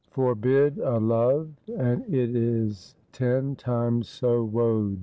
rOKBID A LOVE AND IT IS TEN TIMES SO WODE.'